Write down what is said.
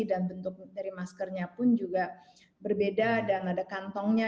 dan bentuk dari maskernya pun juga berbeda dan ada kantongnya